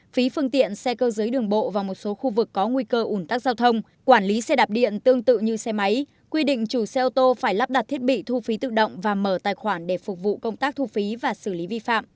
phí phương tiện xe cơ giới đường bộ và một số khu vực có nguy cơ ủn tắc giao thông quản lý xe đạp điện tương tự như xe máy quy định chủ xe ô tô phải lắp đặt thiết bị thu phí tự động và mở tài khoản để phục vụ công tác thu phí và xử lý vi phạm